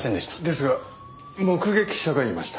ですが目撃者がいました。